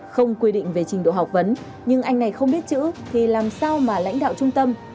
không quy định về trình độ học vấn nhưng anh này không biết chữ thì làm sao mà lãnh đạo trung tâm